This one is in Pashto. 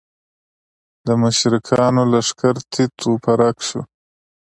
د مشرکانو لښکر تیت و پرک شو.